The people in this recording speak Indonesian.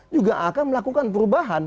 juga akan melakukan perubahan